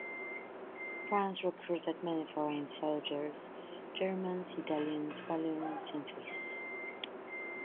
France recruited many foreign soldiers; Germans, Italians, Walloons and Swiss.